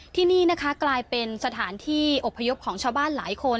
ที่นี่นะคะกลายเป็นสถานที่อบพยพของชาวบ้านหลายคน